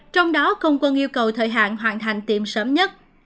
trong đó không quân yêu cầu thời hạn hoàn thành tiệm sớm nhất